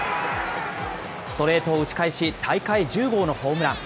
ストレートを打ち返し、大会１０号のホームラン。